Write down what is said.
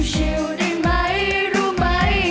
ชิวได้ไหมรู้ไหม